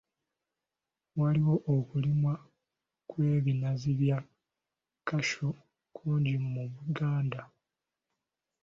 Waliwo okulimwa kw'ebinazi bya Cashew kungi mu Uganda.